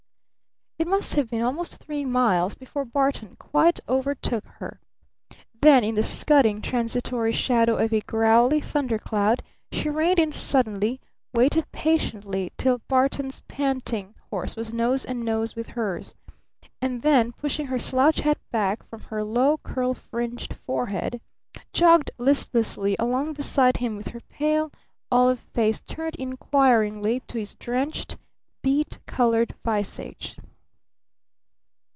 It must have been almost three miles before Barton quite overtook her. Then in the scudding, transitory shadow of a growly thunder cloud she reined in suddenly, waited patiently till Barton's panting horse was nose and nose with hers, and then, pushing her slouch hat back from her low, curl fringed forehead, jogged listlessly along beside him with her pale olive face turned inquiringly to his drenched, beet colored visage.